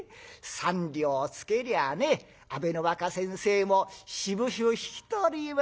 ３両つけりゃあね阿部の若先生もしぶしぶ引き取りますよ。